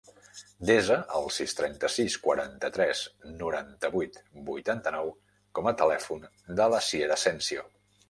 Desa el sis, trenta-sis, quaranta-tres, noranta-vuit, vuitanta-nou com a telèfon de l'Asier Asensio.